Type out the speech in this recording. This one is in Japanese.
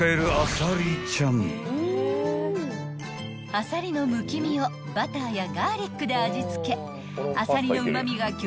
［あさりのむき身をバターやガーリックで味付け］